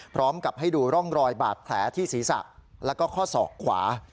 พร้อมกับให้ดูร่องรอยบาดแผลที่ศีรษะแล้วก็ข้อศอกขวา